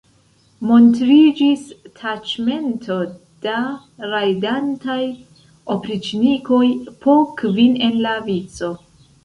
Montriĝis taĉmento da rajdantaj opriĉnikoj po kvin en la vico.